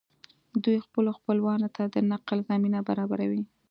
دوی خپلو خپلوانو ته د نقل زمینه برابروي